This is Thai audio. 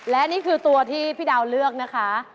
และนี่คือตัวที่พี่ดาวเลือกนะคะ